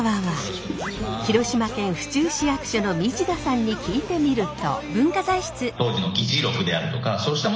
広島県府中市役所の道田さんに聞いてみると。